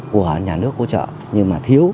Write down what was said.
của nhà nước hỗ trợ nhưng mà thiếu